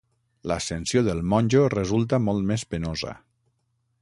L'ascensió del monjo resulta molt més penosa.